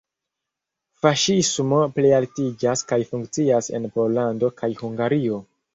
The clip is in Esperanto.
Faŝismo plialtiĝas kaj funkcias en Pollando kaj Hungario.